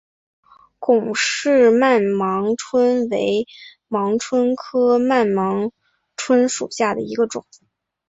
龚氏曼盲蝽为盲蝽科曼盲蝽属下的一个种。